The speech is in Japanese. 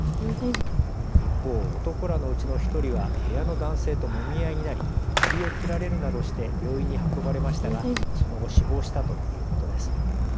一方、男らのうちの１人は部屋の男性ともみ合いになり首を切られるなどして病院に運ばれましたがその後、死亡したということです。